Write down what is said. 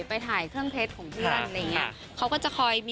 อืม